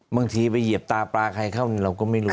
บางทีไปเหยียบตาปลาใครเข้าเราก็ไม่รู้